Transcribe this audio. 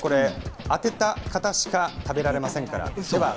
当てた方しか食べられませんから。